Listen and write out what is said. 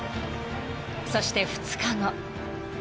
［そして２日後］